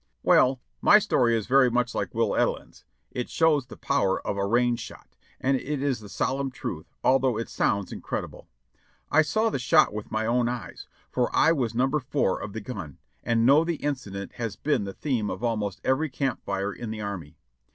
"Well, my story is very much like Will Edelin's — it shows the power of a range shot, and it is the solemn truth, although it sounds incredible. I saw the shot with my own eyes, for I was Number 4 of the gun, and know the incident has been the theme of almost every camp fire in the Army.